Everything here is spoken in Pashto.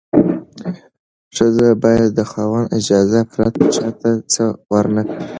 ښځه باید د خاوند اجازې پرته چا ته څه ورنکړي.